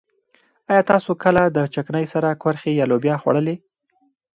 ايا تاسو کله د چکنۍ سره کورخې يا لوبيا خوړلي؟